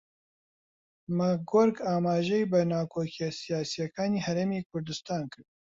ماکگۆرک ئاماژەی بە ناکۆکییە سیاسییەکانی هەرێمی کوردستان کرد